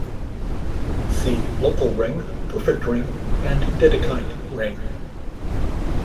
See local ring, perfect ring and Dedekind ring.